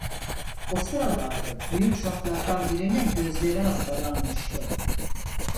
O sıralarda büyük zatlardan birinin gözleri hastalanmıştı.